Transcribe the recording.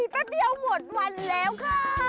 แป๊บเดียวหมดวันแล้วค่ะ